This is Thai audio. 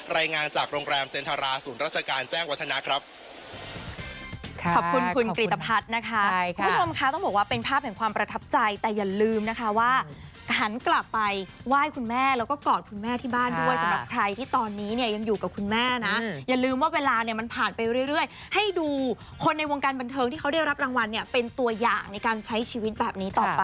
รายงานจากโรงแรมเซ็นทราศูนย์ราชการแจ้งวัฒนาครับ